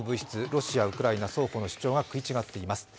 ロシア、ウクライナ双方の主張が食い違っています。